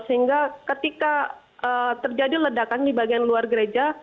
sehingga ketika terjadi ledakan di bagian luar gereja